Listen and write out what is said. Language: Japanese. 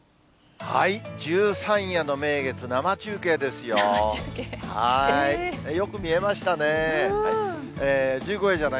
十三夜の名月、生中継ですよ。